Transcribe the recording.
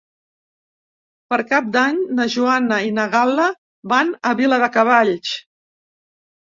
Per Cap d'Any na Joana i na Gal·la van a Viladecavalls.